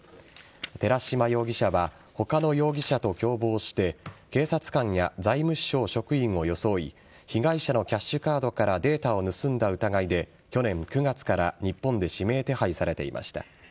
寺島容疑者は他の容疑者と共謀して警察官や財務省職員を装い被害者のキャッシュカードからデータを盗んだ疑いで去年９月から日本で指名手配されていました。